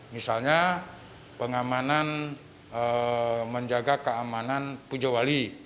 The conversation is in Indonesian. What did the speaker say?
misalnya pengamanan menjaga keamanan puja wali